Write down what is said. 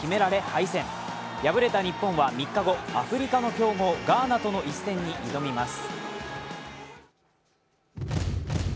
敗れた日本は３日アフリカの強豪ガーナとの一戦に挑みます。